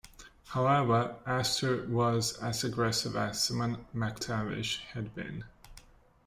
However, Astor was as aggressive as Simon McTavish had been.